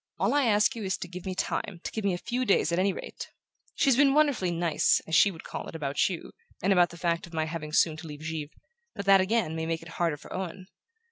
All I ask you is to give me time, to give me a few days at any rate She's been wonderfully 'nice,' as she would call it, about you, and about the fact of my having soon to leave Givre; but that, again, may make it harder for Owen.